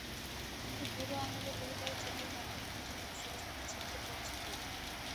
কিন্তু বুড়ো আঙুলে গুরুতর চোটের কারণে টি-টোয়েন্টি সিরিজ থেকে ছিটকে পড়েছেন রুট।